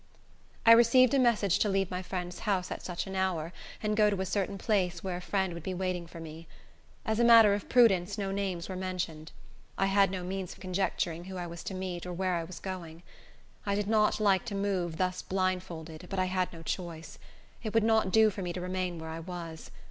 I received a message to leave my friend's house at such an hour, and go to a certain place where a friend would be waiting for me. As a matter of prudence no names were mentioned. I had no means of conjecturing who I was to meet, or where I was going. I did not like to move thus blindfolded, but I had no choice. It would not do for me to remain where I was.